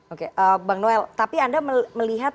oke bang noel tapi anda melihat